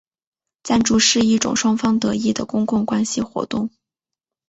赞助是一种双方得益的公共关系活动。